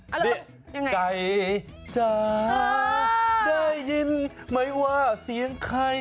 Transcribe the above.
อะไรอย่างไรนะจะได้ยินไหมว่าเสียงใคร